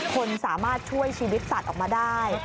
คนสามารถช่วยชีวิตสัตว์ออกมาได้